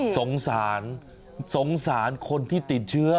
สงสารสงสารคนที่ติดเชื้อ